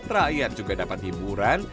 rakyat juga dapat hiburan